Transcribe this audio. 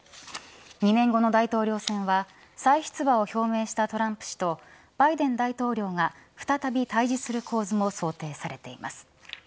２年後の大統領選は再出馬を表明したトランプ氏とバイデン大統領が再び対峙する構図も想定されています。